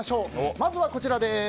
まずはこちらです。